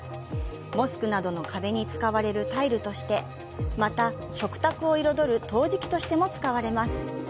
モスクなどの壁に使われるタイルとして、また、食卓を彩る陶磁器としても使われます。